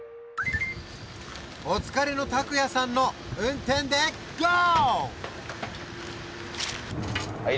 お疲れの拓哉さんの運転でゴー！